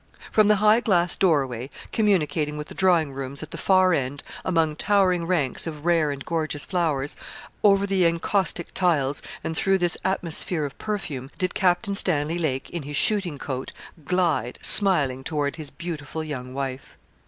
From the high glass doorway, communicating with the drawing rooms, at the far end, among towering ranks of rare and gorgeous flowers, over the encaustic tiles, and through this atmosphere of perfume, did Captain Stanley Lake, in his shooting coat, glide, smiling, toward his beautiful young wife.